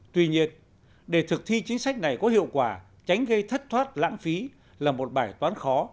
tuy nhiên để thực thi chính sách này có hiệu quả tránh gây thất thoát lãng phí là một bài toán khó